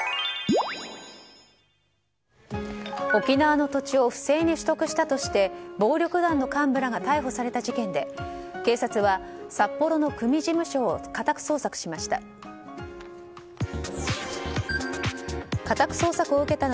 沖縄の土地を不正に取得したとして暴力団の幹部らが逮捕された事件で警察は札幌の組事務所を家宅捜索しました。